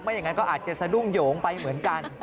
อย่างนั้นก็อาจจะสะดุ้งโยงไปเหมือนกัน